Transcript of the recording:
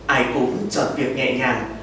ai cũng chọn việc nhẹ nhàng